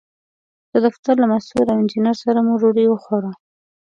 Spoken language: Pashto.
د دفتر له مسوول او انجینر سره مو ډوډۍ وخوړه.